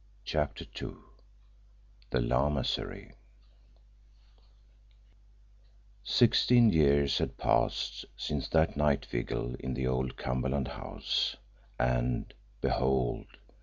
CHAPTER II THE LAMASERY Sixteen years had passed since that night vigil in the old Cumberland house, and, behold!